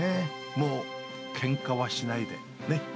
もうけんかはしないでね。